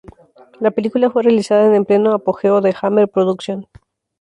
La película fue realizada en pleno apogeo de Hammer productions.